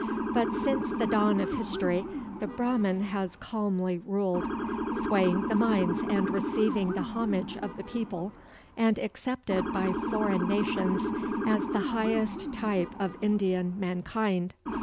But since the dawn of history the Brahman has calmly ruled; swaying the minds and receiving the homage of the people, and accepted by foreign nations as the highest type of Indian mankind.